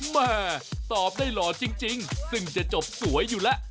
แม่ตอบได้หล่อจริงซึ่งจะจบสวยอยู่แล้ว